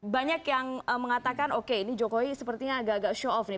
banyak yang mengatakan oke ini jokowi sepertinya agak agak show off nih